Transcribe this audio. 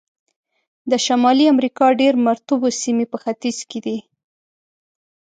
د شمالي امریکا ډېر مرطوبو سیمې په ختیځ کې دي.